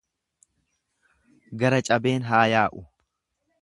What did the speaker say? Gara cabeen haa yaa'u.